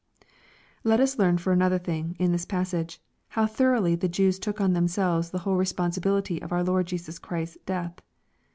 Let us learn for another thrng, in this passage, how thoroicghly the Jews took on themselves the whole respon sihility of our Lord Jesus Christ's death.